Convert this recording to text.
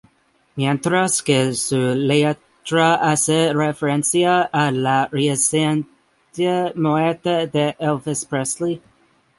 Mientras que su letra hace referencia a la reciente muerte de Elvis Presley.